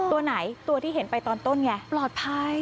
ตัวไหนตัวที่เห็นไปตอนต้นไงปลอดภัย